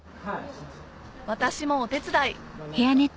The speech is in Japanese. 私もお手伝い